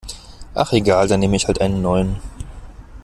Ach egal, dann nehme ich halt einen neuen.